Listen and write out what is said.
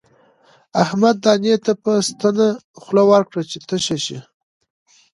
احمد دانې ته په ستنه خوله ورکړه چې تشه شي.